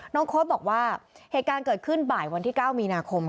โค้ดบอกว่าเหตุการณ์เกิดขึ้นบ่ายวันที่๙มีนาคมค่ะ